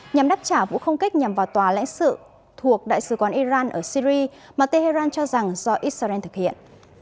nhằm đáp trả vụ không kích nhằm vào tòa lãnh sự thuộc đại sứ quán iran ở syri mà tehran cho rằng do israel thực hiện